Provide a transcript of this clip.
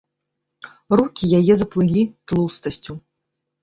Рукі яе заплылі тлустасцю.